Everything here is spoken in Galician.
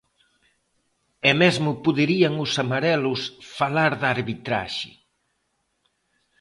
E mesmo poderían os amarelos falar da arbitraxe.